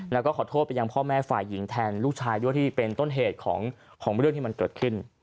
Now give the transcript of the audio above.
แล้วก็ขอโทษไปยังพ่อแม่ฝ่ายหญิงแทนลูกชายด้วยที่เป็นต้นเหตุของเรื่องที่มันเกิดขึ้น